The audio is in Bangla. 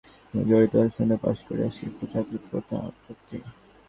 মিঠুন ক্যাম্পাসে ছাত্ররাজনীতির সঙ্গে জড়িত আর স্নাতকোত্তর পাস করা শিপু চাকরি প্রার্থী।